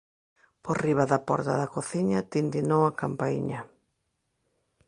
Por riba da porta da cociña tintinou a campaíña.